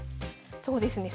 そうですね。